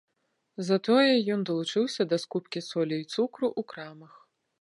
Затое ён далучыўся да скупкі солі і цукру ў крамах.